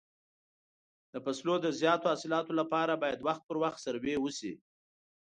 د فصلو د زیاتو حاصلاتو لپاره باید وخت پر وخت سروې وشي.